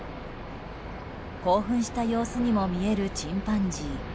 興奮した様子にも見えるチンパンジー。